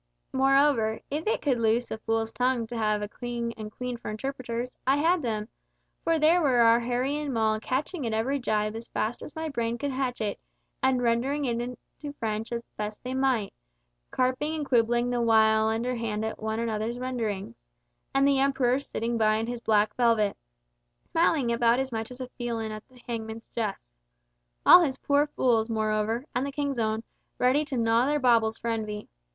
Moreover, if it could loose a fool's tongue to have a king and queen for interpreters, I had them—for there were our Harry and Moll catching at every gibe as fast as my brain could hatch it, and rendering it into French as best thy might, carping and quibbling the while underhand at one another's renderings, and the Emperor sitting by in his black velvet, smiling about as much as a felon at the hangman's jests. All his poor fools moreover, and the King's own, ready to gnaw their baubles for envy!